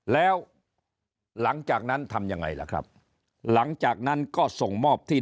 แล้วหลังจากนั้นทำยังไงล่ะครับหลังจากนั้นก็ส่งมอบที่